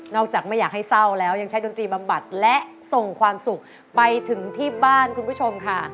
จากไม่อยากให้เศร้าแล้วยังใช้ดนตรีบำบัดและส่งความสุขไปถึงที่บ้านคุณผู้ชมค่ะ